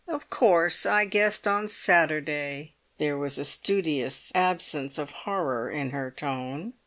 "Of course I guessed on Saturday." There was a studious absence of horror in her tone.